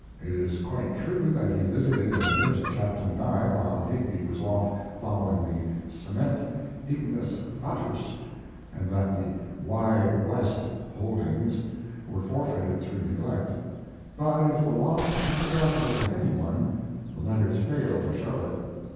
It is quite true that he visited and nursed Captain Nye while Higbie was off following the "Cement" 'ignus fatuus' and that the "Wide West" holdings were forfeited through neglect. But if the loss was regarded as a heavy one, the letters fail to show it.